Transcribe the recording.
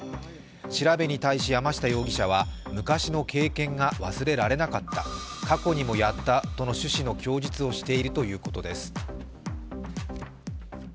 調べに対し山下容疑者は、昔の経験が忘れられなかった過去にもやったとの趣旨の供述をしているということです。